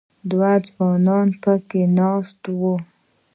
دوه ځوانان په کې ناست وو.